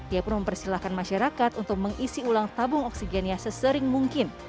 ia pun mempersilahkan masyarakat untuk mengisi ulang tabung oksigennya sesering mungkin